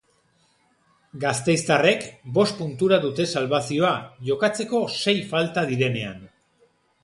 Gasteiztarrek bost puntura dute salbazioa, jokatzeko sei falta direnean.